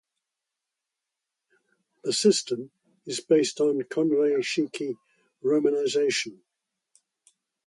The system is based on Kunrei-shiki romanization.